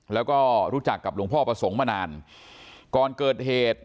แล้วก็รู้จักกับหลวงพ่อประสงค์มานานก่อนเกิดเหตุ